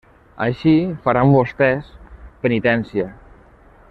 Així, faran vostès penitència.